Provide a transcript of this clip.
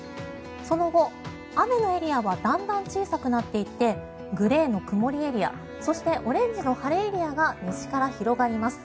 その後、雨のエリアはだんだん小さくなっていってグレーの曇りエリアそしてオレンジの晴れエリアが西から広がります。